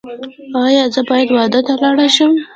ایا زه باید واده ته لاړ شم؟